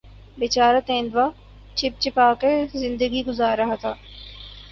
بیچارہ تیندوا چھپ چھپا کر زندگی گزار رہا تھا